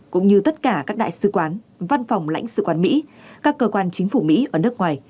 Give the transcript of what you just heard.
cũng như tất cả các đại sứ quán văn phòng lãnh sự quán mỹ các cơ quan chính phủ mỹ ở nước ngoài